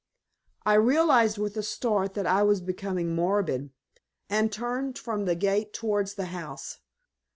I realized with a start that I was becoming morbid, and turned from the gate towards the house.